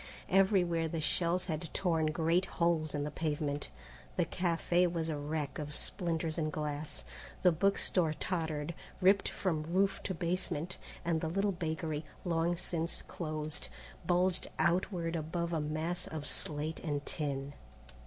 Everywhere the shells had torn great holes in the pavement. The café was a wreck of splinters and glass, the book store tottered, ripped from roof to basement, and the little bakery, long since closed, bulged outward above a mass of slate and tin.